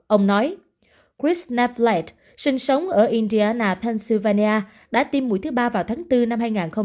ông nói chris neflet sinh sống ở indiana pennsylvania đã tiêm mũi thứ ba vào tháng bốn năm